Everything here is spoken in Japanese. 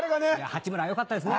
八村は良かったですね。